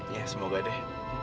ya semoga deh